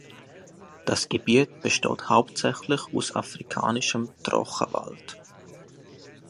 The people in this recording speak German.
Das Gebiet besteht hauptsächlich aus afrikanischem Trockenwald.